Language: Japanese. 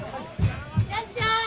いらっしゃい。